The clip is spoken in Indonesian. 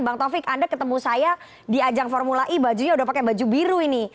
bang taufik anda ketemu saya di ajang formula e bajunya udah pakai baju biru ini